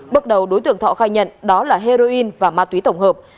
bước đầu đối tượng thọ khai nhận đó là heroin và ma túy tổng hợp